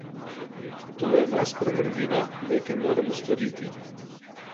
To je nesprejemljivo, nekaj moramo storiti!